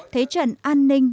thế trận an ninh